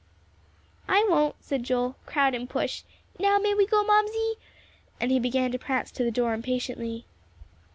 "I won't," said Joel, "crowd and push. Now may we go, Mamsie?" and he began to prance to the door impatiently.